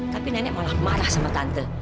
tapi nenek malah marah sama tante